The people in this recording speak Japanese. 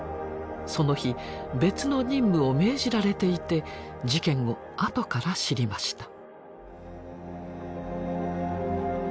その日別の任務を命じられていて事件をあとから知りました。